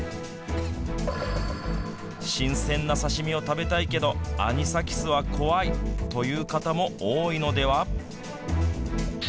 新鮮な刺身を食べたいけどアニサキスは怖いという方も多いのでは。